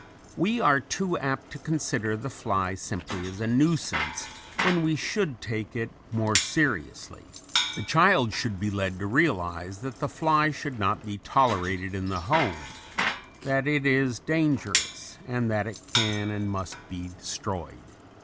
We are too apt to consider the fly simply as a nuisance when we should take it more seriously. The child should be led to realize that the fly should not be tolerated in the home, that it is dangerous and that it can and must be destroyed.